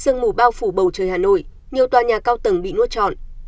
sương mù bao phủ bầu trời hà nội nhiều tòa nhà cao tầng bị nuốt trọn